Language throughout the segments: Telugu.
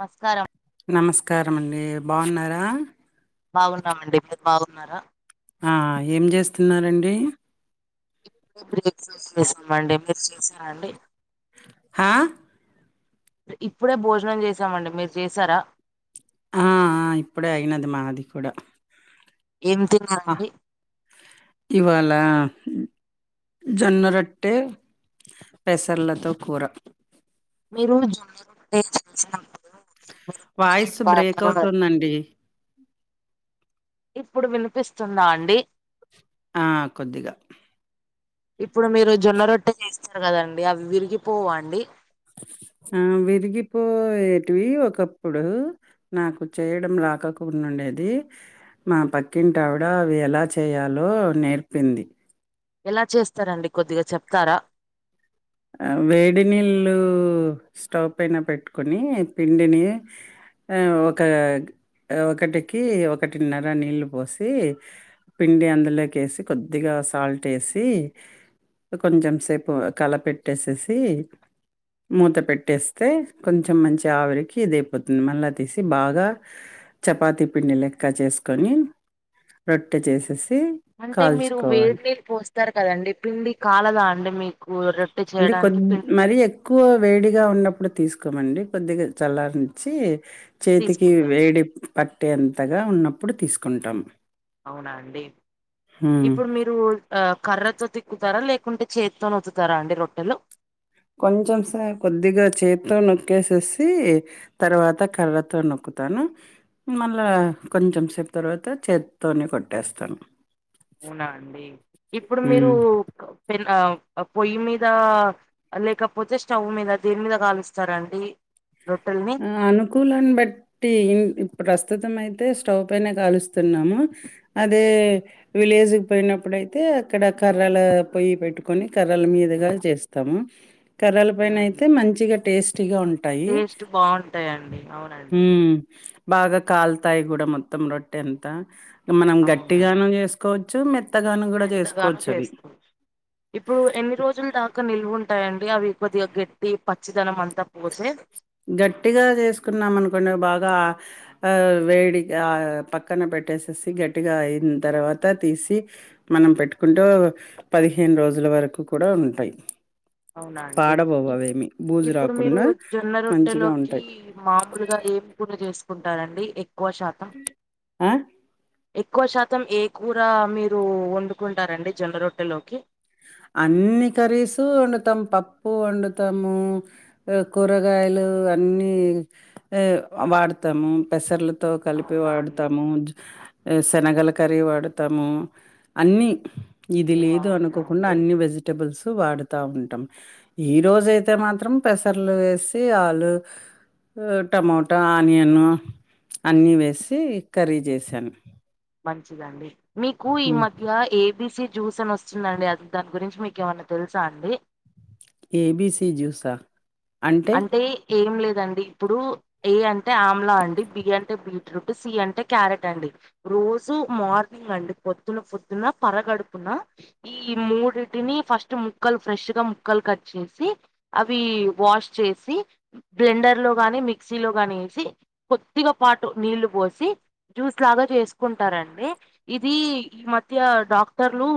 మస్కారం నమస్కారమండీ బావున్నారా బాగున్నామండి మీరు బావున్నారా ఏం చేస్తున్నారండి [inaudible] చేసామండి మీరు చేసారా అండి హా ఇప్పుడే భోజనం చేసామండి మీరు చేసారా ఆ అ ఇప్పుడే అయినది మాది కూడా ఏం ఆ తిన్నారండి ఇవాళ జొన్నరొట్టె పెసర్లతో కూర మీరు జొన్న రొట్టె చేసాన్ [inaudible] వాయిస్ బ్రేక్ అవుతుందండి ఇప్పుడు వినిపిస్తుందా అండి ఆ కొద్దిగా ఇప్పుడు మీరు జొన్న రొట్టె చేస్తారు కదండి అవి విరిగిపోవా అండి ఆ విరిగిపోయేటివి ఒకప్పుడు నాకు చేయడం రాకకుండుండేది మా పక్కింటి ఆవిడ అవి ఎలా చెయ్యాలో నేర్పింది ఎలా చేస్తారండి కొద్దిగా చెప్తారా వేడినీళ్ళు స్టవ్ పైన పెట్టుకొని పిండిని ఆ ఒక ఒకటికి ఒకటిన్నర నీళ్ళు పోసి పిండి అందులోకి ఏసి కొద్దిగా సాల్ట్ ఏసి కొంచెం సేపు కలపెట్టేసేసి మూత పెట్టేస్తే కొంచెం మంచి ఆవిరికి ఇది అయిపోతుంది మళ్ళా తీసి బాగా చపాతి పిండి లెక్క చేసుకొని రొట్టె చేసేసి అంటే మీరు కాల్చుకోవాలి వేడి నీళ్ళు పోస్తారు కదండి పిండి కాలదా అండి మీకు రో అంటే కొద్ మరీ ఎ క్కువ వేడిగా ఉన్నప్పుడే తీసుకోమండి కొద్దిగా చల్లారనిచ్చి చేతికి తీసుకుంటారు వేడి పట్టే అంతగా ఉన్నప్పుడు తీసుకుంటాం అవునా అండి హ్మ్. ఇప్పుడు మీరు ఆ కర్రతో తిక్కుతారా లేకుంటే చేతితోని ఒత్తుతారా అండి రొట్టెలు కొంచెం సే కొద్దిగా చేతితో నొక్కేసేసి తర్వాత కర్రతో నొక్కుతాను మళ్ళా కొంచెం సేపు తర్వాత చేతితోనే కొట్టేస్తాను అవునా అండి ఇప్పుడు మీరు హ్మ్. పెన్ ఆం ఆ పొయ్యి మీద లేకపోతే స్టవ్ మీద దేని మీద కాలుస్తారంండి రొట్టెల్ని ఆ! అనుకూలాన్ని బట్టి ఇప్పుడు ప్రస్తుతం అయితే స్టవ్ పైన కాలుస్తున్నాము అదే విలేజ్కి పోయినప్పుడుయితే అక్కడ కర్రలు పొయ్యి పెట్టుకొని కర్రల మీదుగా చేస్తాము కర్రల పైన అవునండి. అయితే మంచిగా టేస్టీగా ఉంటాయి బాగుంటాయి మ్ బాగా కాల్తాయి కూడా మొత్తం రొట్టె అంతా మనం అవునండి గట్టిగానం చేసుకోవచ్చు మెత్తగానం కూడా మెత్తగాను చేసుకోవచ్చు అవి చేస్తూ ఇప్పుడు ఎన్ని రోజుల దాకా నిల్వ ఉంటాయండి అవి కొద్దిగా గట్టి పచ్చిదనం అంతా పోసే గట్టిగా చేసుకున్నాం అనుకోండి అవి బాగా ఆ వేడి ఆ పక్కన పెట్టేసేసి గట్టిగా అయిన తర్వాత తీసి మనం పెట్టుకుంటూ పదిహేను రోజుల వరకు కూడా ఉంటాయి అవునా అండి పాడబోవు అవేమి. బూజు ఇప్పుడు మీరు రాకుండా జొన్న రొట్టె రొట్టె మంచిగా లోకి ఉంటాయి. మామూలుగా ఏం కూర చేసుకుంటారండి ఎక్కువ శాతం అ ఎక్కువ శాతం ఏ కూర మీరు ఒండుకుంటారండి జొన్న రొట్టెలోకి అన్నీ కర్రీస్ వండుతాము పప్పు వండుతాము కూరగాయలు అన్నీ ఆ వాడతము పెసర్లు తో కలిపి అవునా అండి వాడతాము జు ఎ శనగల కర్రీ వాడుతము అన్నీ ఇది ఓ లేదు అవునా అనుకో అండి వెజిటబుల్స్ వాడుతా ఉంటాం ఈ రోజయితే మాత్రం పెసర్లు వేసి ఆలు అ టమోటా ఆనియన్ అన్నీ వేసి కర్రీ జేసాను మంచిదండి మీకు ఈ హ్మ్. మధ్య ఏబిసి జ్యూస్ అని వస్తుందండి అది దాని గురించి మీకు ఏమన్నా తెలుసా అండి ఏబీసీ జ్యూసా అంటే ఏం లేదండి ఇప్పుడు ఏ అంటే ఆమ్లా అండి బి అంటే బీట్రూట్ సి అంటే క్యారెట్ అండి రోజు మార్నింగండి పొద్దున్న పొద్దున పరగడుపున ఈ మూడిటిని ఫస్ట్ ముక్కలు ఫ్రెష్గా ముక్కలు కట్ చేసి అవి వాష్ చేసి బ్లెండర్ లో గాని మిక్సీలో గాని వేసి కొద్దిగా పాటు నీళ్లు పోసి జ్యూస్ లాగా చేసుకుంటారండి ఇది ఈ మధ్య డాక్టర్లు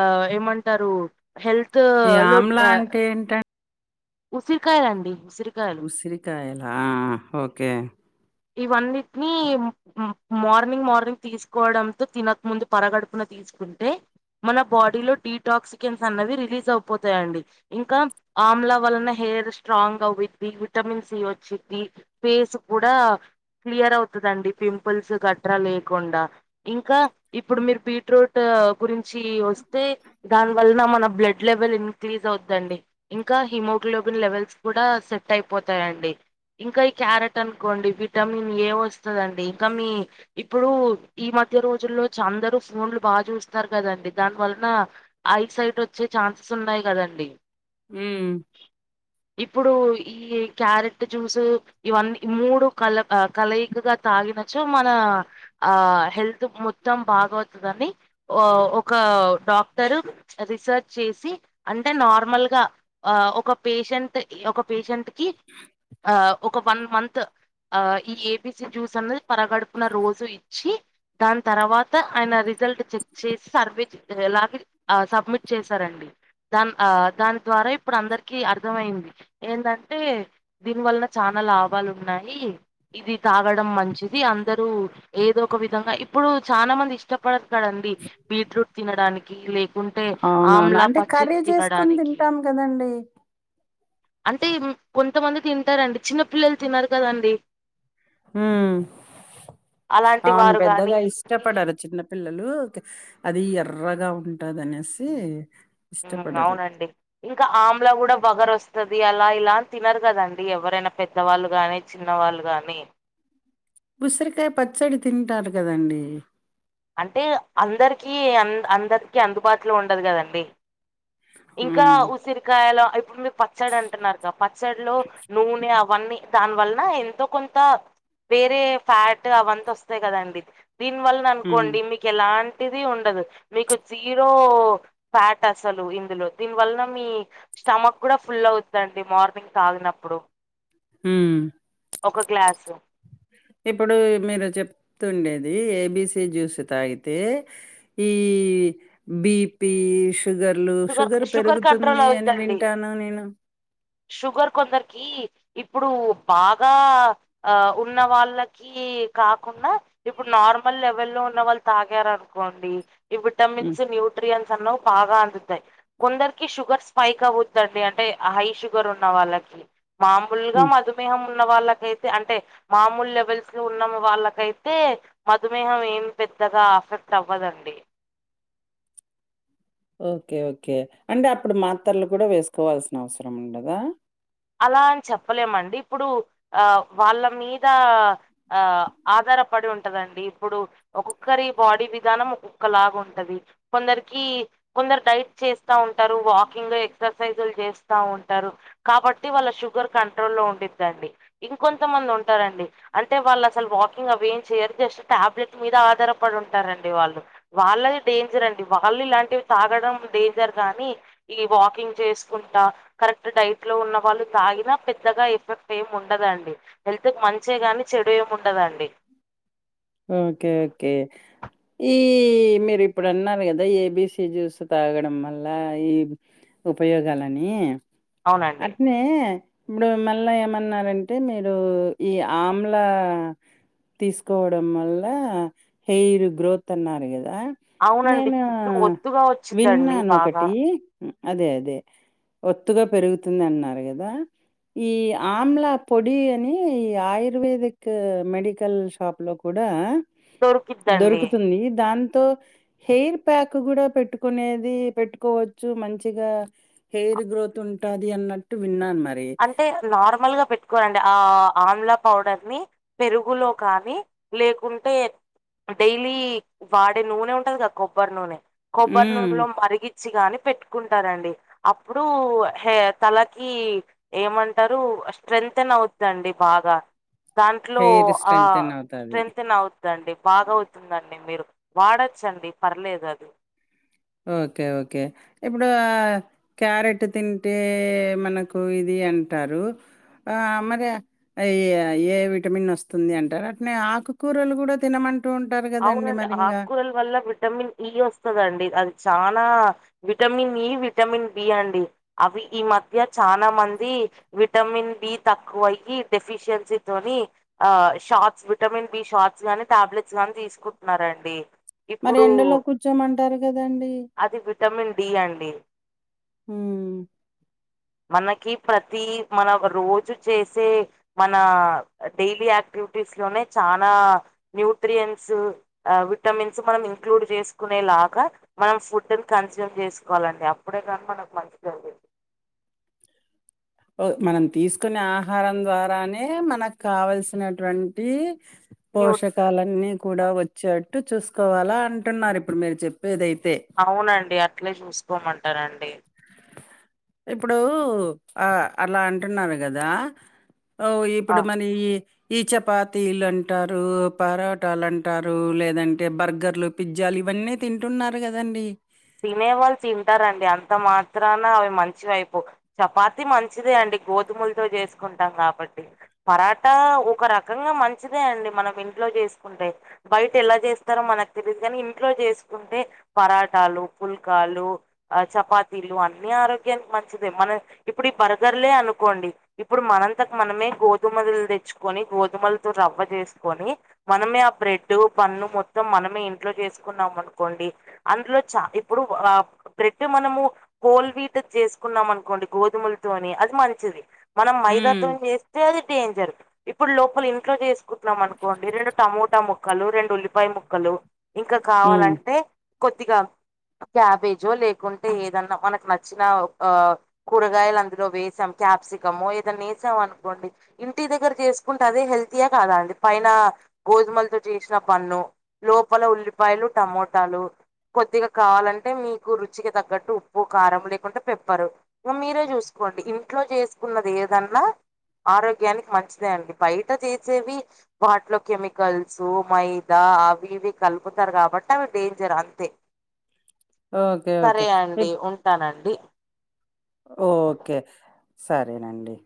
ఆ ఏమంటారు హెల్త్ ఈ లోట్ ఆమ్లా ఆ అంటే ఏంటండి? ఉసిరికాయలండి ఉసిరికాయ సిరికాయలాఆ ఆ ఓకే ఇవన్నిటిని మ మార్నింగ్ మార్నింగ్ తీసుకోవడంతో తినక ముందు పరగడుపున తీ సుకుంటే మన బాడీలో డిటాక్సికెన్స్ అన్నవి రిలీజ్ అవిపోతాయండి ఇంకా ఆమ్ల వలన హెయిర్ స్ట్రాంగ్ అవుద్ది విటమిన్ సి వచ్చిద్ధి పేసు కు గుడా క్లియర్ అవుతుందండి పింపుల్స్ గట్రా లేకుండా ఇంకా ఇప్పుడు మీరు బీట్రూట గురించి వొస్తే దాని వల్లన మన బ్లడ్ లెవెల్ ఇంక్రీజ్ అవుద్దండి ఇంక హిమోగ్లోబిన్ లెవెల్స్ కూడా సెట్ అయిపోతాయండి ఇంక ఈ క్యారెట్ అనుకోండి విటమిన్ ఏ ఓస్తాదండి కానీ ఇప్పుడు ఈ మధ్య రోజుల్లో చందరూ ఫోన్లు బాగ చూస్తన్నారు కదండి దాని వలన ఐ సైట్ ఒచ్చే ఛాన్సెస్ ఉన్నాయి గదండి ఊమ్ ఇప్పుడు ఈ క్యారెట్ట్ జ్యూస్ ఇవన్నీ మూడు కల కలయికగా తాగినచో మన ఆ హెల్త్ మొత్తం బాగవుతదని ఓ ఒకా డాక్టరు రీసర్చ్ చేసి అంటే నార్మల్గా ఆ ఒక పేషెంట్ ఒక పేషెంట్ కి ఆ ఒక వన్ మంత్ ఆ ఈ ఏ బి సి జ్యూస్ అన్నది పరగడుపున రోజు ఇచ్చి దాని తర్వాత ఆయన రిజల్ట్ చెక్ చేస్ సర్వే చ్ లాగిన్ ఆ సబ్మిట్ చేసారండి దాన్ ఆ దాని ద్వారా ఇప్పుడు అందరికి అర్థమయ్యింది ఏదంటే దీని వల్లన చాలా లాభాలున్నాయి ఇది తాగడం మంచిది అందరూ ఏదో ఒక విధంగా ఇప్పుడు చాలా మంది ఇష్టపడ కదండి బీట్రూట్ తినడానికి లేకుంటే ఆమ్లా పచ్చిది తినడానికి గదండి అంటే ఇం కొంతమంది తింటరండి చిన్నపిల్లల్ తినరు కదండి ఉమ్ అలాంటి అవును వారు పెద్దగ గాని ఇష్టపడరు చిన్నప్ పిల్లలు అది ఎర్రగా ఉంటదనేసి ఉమ్ ఇష్టపడరు. అవునండి ఇంక ఆమ్లా గూడ వగరోస్తది అలా ఇలా అన్ తినరు కదండి ఎవరైనా పెద్దవాళ్ళు గాని చిన్ చిన్న వాళ్ళు గాని ఉసిరికాయ పచ్చడి తింటారు గదండి అంటే అందరికీ అన్ అందరికీ అందుబాటులో ఉండదు కదండి ఇంకా హ్మ్. ఉసిరికాయలు ఇప్పుడు మీరు పచ్చడి అంటున్నారుగ పచ్చల్లో నూనె అవన్నీ దాని వల్లన ఎంతో కొంత వేరే ఫ్యాట్ అవంత ఓస్తాయి కదండి దీని వల్లన హ్మ్. అనుకోండి మీక్ కెలాంటిది ఉండదు మీకు జీరో ఫ్యాట్ అసలు ఇందులో దీని వల్లన మీ స్టమక్కుడా ఫుల్ అవుతదండి మార్నింగ్ తాగినప్పుడు ఊమ్ ఒక గ్లాసు ఇప్పుడు మీరు చెప్తుండేది ఏ బి సి జ్యూస్ తాగితే ఈ బి పీ ష్ షుగర్లు షుగర్ పెరుగుతుంది అని వింటాను నేను షుగర్ కొందరికి ఇప్పుడు బాగా ఆ ఉన్న వాళ్ళకి కీ కాకున్న ఇప్పుడు నార్మల్ లెవెల్ లో ఉన్న వాళ్ళు తాగారనుకోండి ఈ హ్మ్. విట్టమిన్స్, న్యూట్రియన్స్ అన్ను బాగా అందుద్ త్తయ్ కొందరికి షుగర్ స్పైక్ అవుద్దండి అంటే అ హై షుగర్ ఉన్న వాళ్ళకి మామ్ ఫుల్గ హ్మ్. మధుమేహం ఉన్న వాళ్ళకైతే అంటే మామూలు లెవెల్స్ లో ఉన్న వాళ్ళకైతే మధుమేహం ఏం పెద్దగా అఫెక్ట్ అవ్వదండి ఓకే ఓకే అంటే అప్పుడు మాత్రలు కూడ వేసుకోవాల్సిన అవసరం ఉండదా అలా అని చెప్పలేమండి ఇప్పుడు ఆ వాళ్ళ మీద ఆ ఆధారపడి ఉంటదండి ఇప్పుడు ఒక్కొక్కరి బాడీ విధానం ఒక్కొక్క లాగ ఉంటది కొందరికి కొందరు డైట్ చేస్తా ఉంటారు వాకింగ్ ఎక్సర్సైజులు చేస్తా ఉంటారు కాబట్టి త్తి వాళ్ళ షుగర్ కంట్రోల్లో ఉండిద్దండి ఇంకొంతమంది ఉంటారండి అంటే వాళ్ళు అసలు వాకింగ్ అవి ఏం చేయరు జస్ట్ టాబ్లెట్ మీద ఆధారపడి ఉంటారండి వాళ్ళు వాళ్ళది డేంజర్ అండి వాళ్ళు ఇలాంటివి తాగడం డేంజర్ గానీ ఈ వాకింగ్ చేసుకుంటా కరెక్ట్ డైట్ లో ఉన్న వాళ్ళు తాగినా పెద్దగా ఎఫెక్ట్ ఏమి ఉండదండి హెల్త్ మంచి గాని చెడు ఏమి ఉండదండి ఓకే ఓకే ఈ మీరు ఇప్పుడన్నరు కదా ఏబిసిజ్యూస్ తాగడం వల్ల ఈ ఉపయోగాలని అవునండి అట్నే ఇప్పుడు మళ్ళ ఏమన్నారంటే మీరు ఈ ఆమ్ల తీసుకోవ డం వళ్ళ హెయిర్ గ్రోత్ అన్నారుగదా అవునండి నేను జుట్టు ఒత్తుగా వచ్చిద్దండి బాగా విన్నానొకటి అదే అదే ఒత్తుగా పెరుగుతుందన్నారు గదా ఈ ఆమ్లా పొడి అని ఈ ఆయుర్వేదిక్ మెడికల్ షాప్ లో కుడా దొరికిద్దండి దొరుకుతుంది దాంతో హెయిర్ ప్యాక్ కూడా పెట్టుకునేది పెట్టుకోవచ్చు మంచిగా హెయిర్ గ్రోత్ ఉంటాది అన్నట్టు విన్నాను మరి అంటే నార్మల్ గా పెట్ కోరండి ఆ ఆమ్లా పౌడర్ ని పెరుగులో కానీ లేకుంటే డేలీ వాడే నూనె ఉంటది గదా కొబ్బరి నూనె కొబ్బరి హ్మ్. నూనె లో మరిగిచ్చి గాని పెట్టుకుంటారండి అప్పుడు హెయిర్ తలకి ఏమంటరు స్ట్రెంతెంన్ అవ్వుద్దండీ బాగా దాంట్లో హెయిర్ ఆ స్ట్రెంథెన్ అవుతాది. స్ట్రెంతేన్ అవు బాగా అవుతుందండి మీరు వాడొచ్చండి పర్లేదు అది ఓకే ఓకే ఇప్పుడు క్యారెట్ తింటే మనకు ఇది అంటారు ఆ మరి అయ్యా ఏ విటమిన్ వస్తుంది అంటారు అట్నే ఆకుకూరలు కూడా తినమ టూ ఉంటారు కదండి అవునండి మరి ఇంకా ఆకుకూరల వల్ల విటమిన్ ఇ వస్తాదండి అది చానా విటమిన్ ఈ విటమిన్ బి అండి అవి ఈ మధ్య చాలా మంది విటమిన్ బి తక్కువయి డెఫిషియన్సీ తోని ఆ షార్ట్స్ విటమిన్ బి షార్ట్స్ గానీ టాబ్లెట్స్ గాని తీసుకుంటున్నారండి మరి ఇప్పుడు ఎండలో కూర్చోమంటారు కదండి అది విటమిన్ డి అండి హ్మ్మ్ మనకి ప్రతి మన రోజు చేసే మన డైలీ యాక్టివిటీస్ లోనే చానా న్యూట్రియన్స్ అహ్ విటమిన్స్ మనం ఇంక్లూడ్ చేసుకునేలాగా మనం ఫుడ్ని కన్సూమ్ చేసుకోవాలండి అప్పుడే కానీ మనకు మంచిగాంది మనం తీసుకునే ఆహారం ద్వారానే మనకు కావలసినటువంటి న్యూ పోషకాలన్నీ కూడా వచ్చేట్టు చూసుకోవాలా అంటున్నారు ఇప్పుడు మీరు చెప్పేదైతే అవునండి అట్లే చూసుకోమంటారండి ఇప్పుడు ఆ అలా అంటున్నారు కదా ఓ ఆ ఇప్పుడు మన ఈ ఈ చపాతీలు అంటారు పరాటాలు అంటారు లేదంటే బర్గర్లు పిజ్జాలు ఇవన్నీ తింటున్నారు కదండి తినే వాళ్ తింటారండి అంత మాత్రాన అవి మంచి వైపు చపాతి మంచిదే అండి గోధుమలతో చేసుకుంటాం కాబట్టి పరాటా ఒక రకంగా మంచిదే అండి మనం ఇంట్లో జేసుకుంటే బయట్ ఎలా జేస్తారో మనక్ తెలీద్ గాని ఇంట్లో జేసుకుంటే పరాటాలు పుల్కాలు అ చపాతీలు అన్ని ఆరోగ్యానిక్ మంచిదే మనె ఇప్పుడ్ ఈ బర్గర్లే అనుకోండి ఇప్పుడు మనంతకు మనమే గోధుమల్ దెచ్చుకొని గోధుమలతో రవ్వ చేసుకొని మనమే ఆ బ్రెడ్డు బన్ను మొత్తం మనమే ఇంట్లో చేసుకున్నాం అనుకోండి అందులో చా ఇప్ ఇప్పుడు వాప్ బ్రెడ్ మనము హొల్వీట్ జేసుకున్నాం అనుకోండి గోధుమలతోని అది మంచిది మనం మైదా ఉమ్, తోన్ చేస్తే అది డేంజర్ ఇప్పుడ్ లోపలింట్లో చేస్ కుత్న్నాం అనుకోండి రెండు టమోటా ముక్కలు రెండు ఉల్లిపాయ ముక్కలు ఇంకా ఉమ్, కావాలంటే కొద్దిగా క్యాబేజో లేకుంటే ఏదన్నా మనకు నచ్చిన ఒ అహ్ కూరగాయలందులో వేసాం క్యాప్సికము ఏదన్నేసాం అనుకోండి ఇంటి దగ్గర చేసుకుంటే అదే హెల్తీయా కాదా అండి పైన గోధుమలతో చేసిన బన్ను లోపల ఉల్లిపాయలు టమోటాలు కొద్దిగ కావాలంటే మీకు రుచికి తగ్గట్టు ఉప్పు కారం లేకుంటే పెప్పరు ఇగ మీరే చూసుకోండి ఇన్ ఇంట్లో చేసుకున్నద్ ఏదన్నా ఆరోగ్యానిక్ మంచిదే అండి బయట చేసేవి వాటిలో కెమికల్సు మైదా అవి ఇవి కలుపుతారు కాబట్టి అవి డేంజర్ అంతే ఓకే ఓకే సరే అండి ఇప్- ఉంటానండి ఓకే సరేనండి